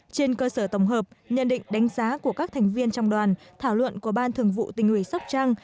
trên cơ sở tổng hợp nhận định đánh giá của các thành viên trong đoàn thảo luận của ban thường vụ tỉnh ủy sóc trăng